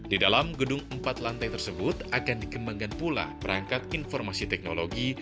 di dalam gedung empat lantai tersebut akan dikembangkan pula perangkat informasi teknologi